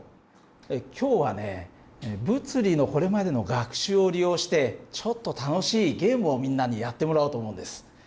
今日はね物理のこれまでの学習を利用してちょっと楽しいゲームをみんなにやってもらおうと思うんです。